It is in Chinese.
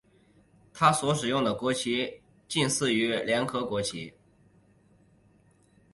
它所使用的国旗近似于联合国旗。